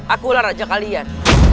akulah raja kalian